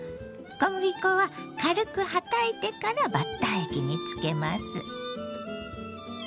小麦粉は軽くはたいてからバッター液につけます。